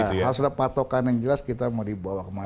tapi harus ada patokan yang jelas kita mau dibawa ke mana